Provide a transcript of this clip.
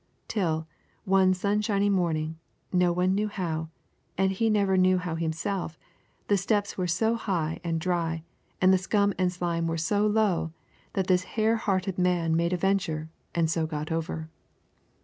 Till, one sunshiny morning, no one knew how, and he never knew how himself the steps were so high and dry, and the scum and slime were so low, that this hare hearted man made a venture, and so got over.